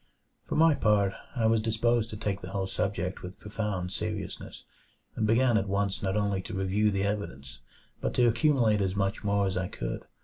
For my part, I was disposed to take the whole subject with profound seriousness, and began at once not only to review the evidence, but to accumulate as much more as I could.